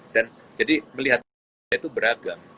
dan jadi melihatnya itu beragam